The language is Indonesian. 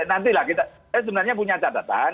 sebenarnya punya catatan